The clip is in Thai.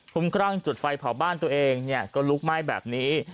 คุ้มคร่างจุดไฟเผาบ้านตัวเองลุกไม้แบบนี้